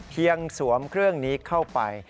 เพียงสวมเครื่องนี้เข้าไป